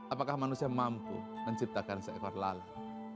apakah manusia mampu menciptakan seekor lalat